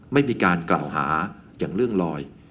ไม่มีการกล่าวหาอย่างเรื่องลอย